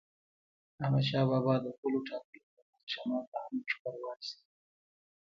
احمدشاه بابا د پولو ټاکلو په موخه شمال ته هم لښکر وایست.